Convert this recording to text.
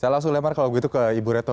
saya langsung lemar kalau begitu ke ibu reto